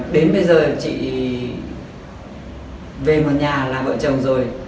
đến bây giờ chị về một nhà là vợ chồng rồi